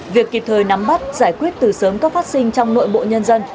việc kịp thời nắm bắt giải quyết từ sớm các phát sinh trong nội bộ nhân dân